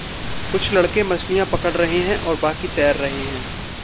कुछ लड़के मछलियाँ पकड़ रहे हैं, और बाकी तैर रहे हैं।